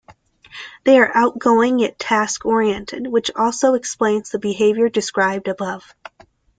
They are outgoing, yet task-oriented, which also explains the behavior described above.